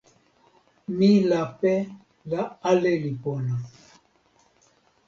mi lape la ale li pona.